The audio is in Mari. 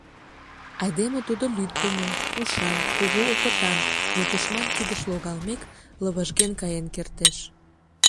Айдеме тудо лӱддымӧ, ушан, кугу опытан, но тушман кидыш логалмек, «лывыжген» каен кертеш.